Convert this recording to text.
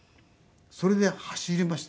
それで走りました。